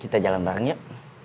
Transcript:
kita jalan bareng yuk